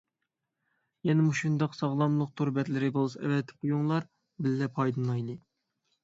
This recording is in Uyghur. يەنە مۇشۇنداق ساغلاملىق تور بەتلىرى بولسا ئەۋەتىپ قويۇڭلار، بىللە پايدىلىنايلى.